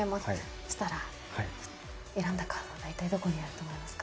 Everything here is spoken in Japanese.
そしたら、選んだカード、どこにあると思いますか？